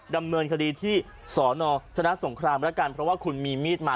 ดำเนินคดีที่สอนอชนะสงครามแล้วกันเพราะว่าคุณมีมีดมา